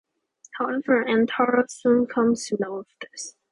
However, Antara soon comes to know of this.